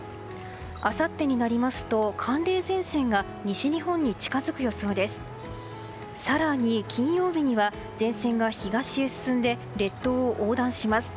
あさってになりますと寒冷前線が西日本に近づく予想で更に金曜日には前線が東へ進んで列島を横断します。